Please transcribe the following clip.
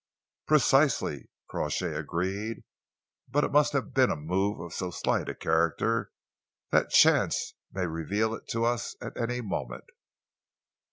"Precisely," Crawshay agreed, "but it must have been a move of so slight a character that chance may reveal it to us at any moment."